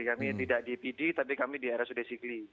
kami tidak di pd tapi kami di rsud sigli